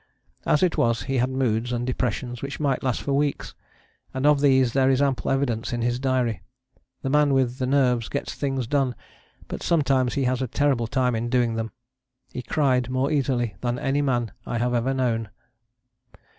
As it was he had moods and depressions which might last for weeks, and of these there is ample evidence in his diary. The man with the nerves gets things done, but sometimes he has a terrible time in doing them. He cried more easily than any man I have ever known.